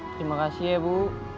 terima kasih ya bu